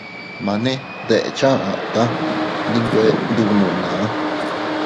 Mane deʼecha aʼa taa ndi nwe ndubnuna.